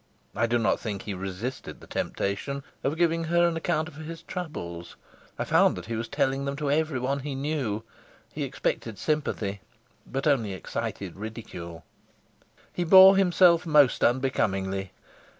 I do not think he resisted the temptation of giving her an account of his troubles. I found that he was telling them to everyone he knew; he expected sympathy, but only excited ridicule. He bore himself most unbecomingly.